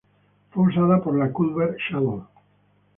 Fue usada por la Culver Shuttle.